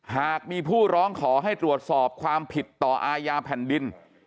หากมีผู้ร้องขอให้ตรวจสอบความผิดต่ออาญาแผ่นดิน